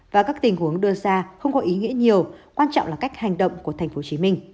và các tình huống đưa ra không có ý nghĩa nhiều quan trọng là cách hành động của tp hcm